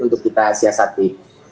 untuk kita siasati